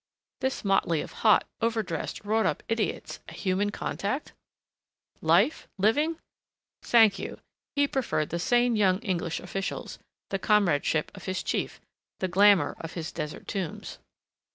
This motley of hot, over dressed, wrought up idiots a human contact! Life? Living?... Thank you, he preferred the sane young English officials ... the comradeship of his chief ... the glamor of his desert tombs.